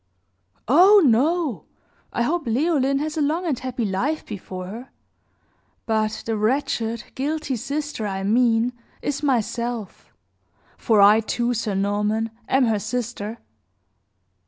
"Oh, no! I hope Leoline has a long and happy life before her. But the wretched, guilty sister I mean is, myself; for I, too, Sir Norman, am her sister."